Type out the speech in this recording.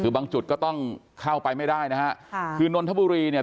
คือบางจุดก็ต้องเข้าไปไม่ได้นะฮะค่ะคือนนทบุรีเนี่ย